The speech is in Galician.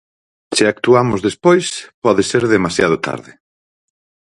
Se actuamos despois pode ser demasiado tarde.